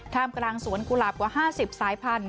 มกลางสวนกุหลาบกว่า๕๐สายพันธุ